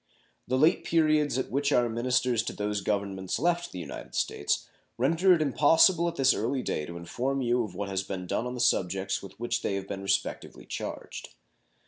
The late periods at which our ministers to those Governments left the United States render it impossible at this early day to inform you of what has been done on the subjects with which they have been respectively charged.